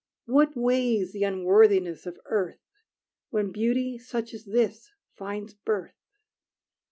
What weighs the unworthiness of earth When beauty such as this finds birth?